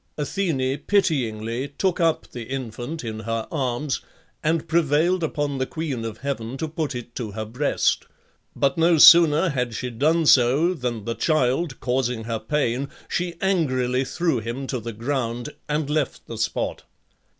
Athene pityingly took up the infant in her arms, and prevailed upon the queen of heaven to put it to her breast; but no sooner had she done so, than the child, causing her pain, she angrily threw him to the ground, and left the spot.